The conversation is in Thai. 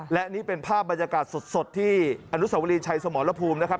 และนี่เป็นภาพบรรยากาศสดที่อนุสวรีชัยสมรภูมินะครับ